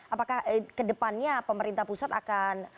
apakah ke depannya pemerintah pusat akan